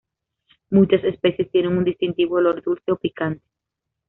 Muchas especies tienen un distintivo olor dulce o picante.